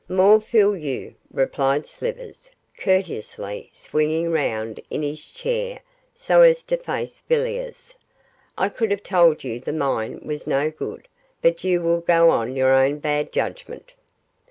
'More fool you,' replied Slivers, courteously, swinging round in his chair so as to face Villiers. 'I could have told you the mine was no good; but you will go on your own bad judgment.